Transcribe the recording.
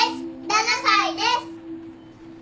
７歳です。